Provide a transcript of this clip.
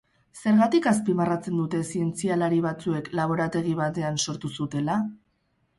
Zergatik azpimarratzen dute zientzialari batzuek laborategi batean sortu zutela?